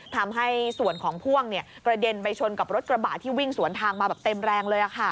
ทำให้ส่วนของพ่วงกระเด็นไปชนกับรถกระบะที่วิ่งสวนทางมาแบบเต็มแรงเลย